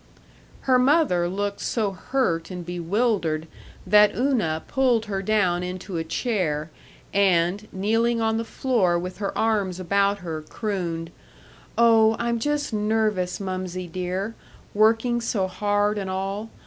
Her mother looked so hurt and bewildered that Una pulled her down into a chair, and, kneeling on the floor with her arms about her, crooned, "Oh, I'm just nervous, mumsie dear; working so hard and all.